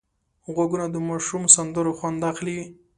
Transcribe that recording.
غوږونه د ماشومو سندرو خوند اخلي